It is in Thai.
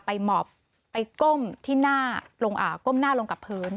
หมอบไปก้มที่หน้าก้มหน้าลงกับพื้น